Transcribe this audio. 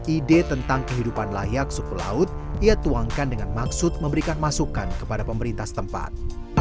ide tentang kehidupan layak suku laut ia tuangkan dengan maksud memberikan masukan kepada pemerintah setempat